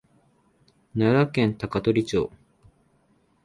奈良県高取町